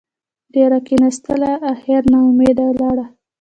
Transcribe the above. ډېره کېناستله اخېر نااوميده لاړه.